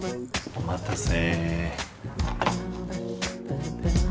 お待たせ。